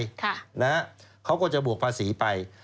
ค่ะนะฮะเขาก็จะบวกภาษีไป